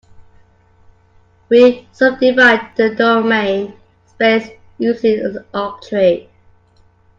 We subdivide the domain space using an octree.